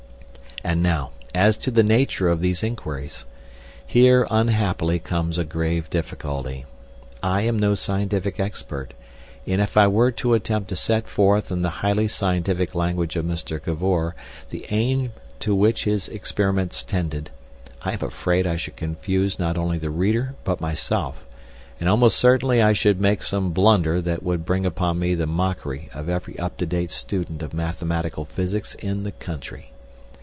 And now, as to the nature of these inquiries. Here, unhappily, comes a grave difficulty. I am no scientific expert, and if I were to attempt to set forth in the highly scientific language of Mr. Cavor the aim to which his experiments tended, I am afraid I should confuse not only the reader but myself, and almost certainly I should make some blunder that would bring upon me the mockery of every up to date student of mathematical physics in the country.